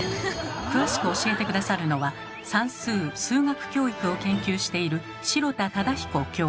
詳しく教えて下さるのは算数・数学教育を研究している